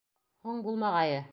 Һуң булмағайы.